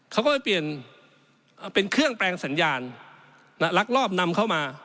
เขาก็ไปเปลี่ยนเป็นเครื่องแปลงสัญญาณลักลอบนำเข้ามา